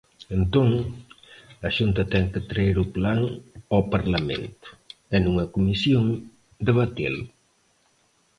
Entón, a Xunta ten que traer o plan ao Parlamento e, nunha comisión, debatelo.